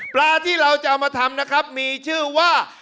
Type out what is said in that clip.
ปลาที่เราจะเอามาทำนะครับมีชื่อว่า